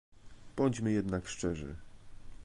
Bądźmy jednak szczerzy